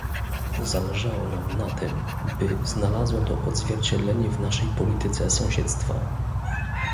Zależało nam na tym, by znalazło to odzwierciedlenie w naszej polityce sąsiedztwa